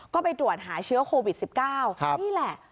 ก็ไปตรวจหาเชื้อโควิด๑๙นี่แหละ